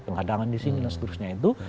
penghadangan disini dan sebagainya itu